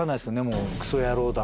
もうクソ野郎だ